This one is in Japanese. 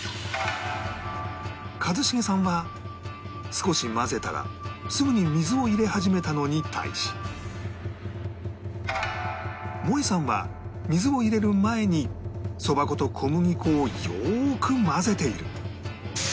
一茂さんは少し混ぜたらすぐに水を入れ始めたのに対しもえさんは水を入れる前にそば粉と小麦粉をよーく混ぜている